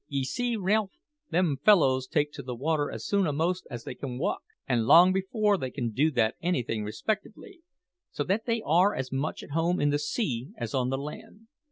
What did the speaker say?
"Ye see, Ralph, them fellows take to the water as soon a'most as they can walk, an' long before they can do that anything respectably, so that they are as much at home in the sea as on the land.